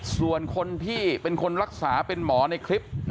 ส่วนคนที่เป็นคนรักษาเป็นหมอในคลิป